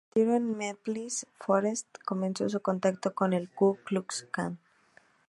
Durante su retiro en Memphis, Forrest comenzó sus contactos con el Ku Klux Klan.